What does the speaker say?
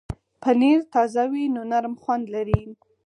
پنېر تازه وي نو نرم خوند لري.